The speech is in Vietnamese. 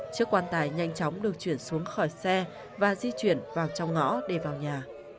chiếc quan tài nhanh chóng được chuyển xuống khỏi xe và di chuyển vào trong ngõ để vào nhà